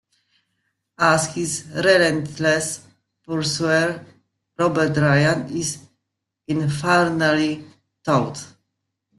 As his relentless pursuer, Robert Ryan is infernally taut.